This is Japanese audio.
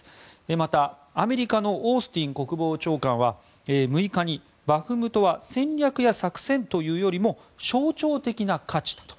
また、アメリカのオースティン国防長官は６日に、バフムトは戦略や作戦というよりも象徴的な価値だと。